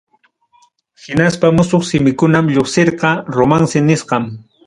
Hinaspa musuq simikunam lluqsirqa, romance nisqan.